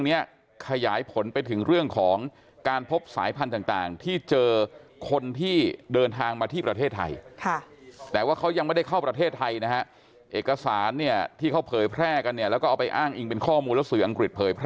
๔๓๖๓พบในไทยตั้งแต่แรกจากนักท่องเที่ยวชาวอียิปต์และในประเทศอังกฤษพบว่าสายพันธุ์ใหม่ของไทยนี้ตรวจพบใน๑๐๙รายปะปนกับสายอังกฤษแล้วก็สายพันธุ์อังกฤษ